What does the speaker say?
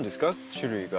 種類が。